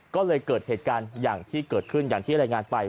ก็เลยเกิดเหตุการณ์อย่างที่เกิดขึ้นอย่างที่รายงานไป